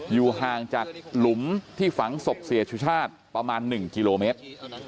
อยู่ห่างจากหลุมที่ฝังศพเสียสุชาติประมาณ๑กิโลเมตร